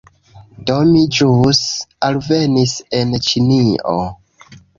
Do, mi ĵus alvenis en ĉinio